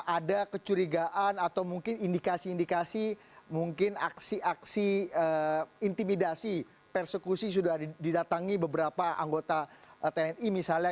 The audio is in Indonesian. ada kecurigaan atau mungkin indikasi indikasi mungkin aksi aksi intimidasi persekusi sudah didatangi beberapa anggota tni misalnya